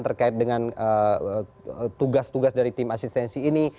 terkait dengan tugas tugas dari tim asistensi ini